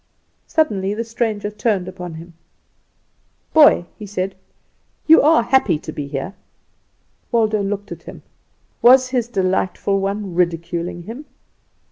Suddenly the stranger turned upon him. "Boy," he said, "you are happy to be here." Waldo looked at him. Was his delightful one ridiculing him?